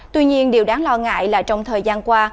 tuy nhiên điều đáng lo ngại là trong thời gian qua